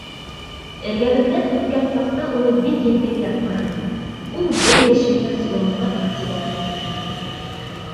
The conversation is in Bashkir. Эргәбеҙҙән үткән саҡта уны бик ентекләп ҡараным; ул беҙ йәшенгән соланға иғтибар итмәне.